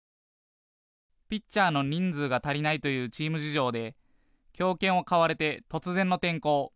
ピッチャーの人数が足りないというチーム事情で強肩を買われて突然の転向。